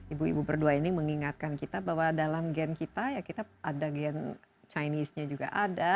ibu ibu berdua ini mengingatkan kita bahwa dalam gen kita ya kita ada gen chinese nya juga ada